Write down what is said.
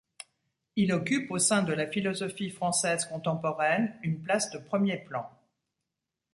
Il occupe, au sein de la philosophie française contemporaine, une place de premier plan.